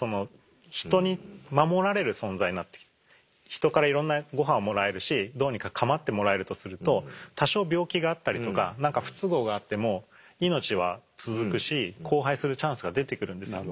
ヒトからいろんな御飯をもらえるしどうにかかまってもらえるとすると多少病気があったりとか何か不都合があっても命は続くし交配するチャンスが出てくるんですよ。